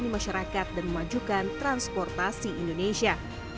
untuk memayani masyarakat dan memajukan transportasi indonesia